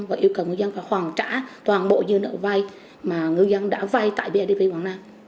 và yêu cầu ngư dân phải hoàn trả toàn bộ dư nợ vay mà ngư dân đã vay tại bidv quảng nam